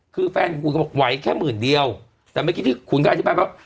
คือแฟนของคุณก็บอกไหวแค่หมื่นเดียวแต่เมื่อกี้ที่คุณก็อธิบายว่า